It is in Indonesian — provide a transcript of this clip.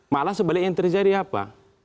malah sebalik yang terjadi apa